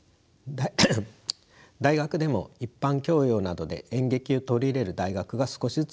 大学でも一般教養などで演劇を取り入れる大学が少しずつ増えています。